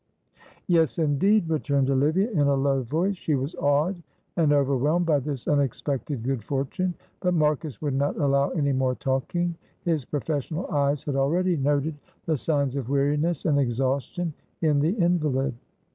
"Yes, indeed," returned Olivia, in a low voice; she was awed and overwhelmed by this unexpected good fortune; but Marcus would not allow any more talking; his professional eyes had already noted the signs of weariness and exhaustion in the invalid.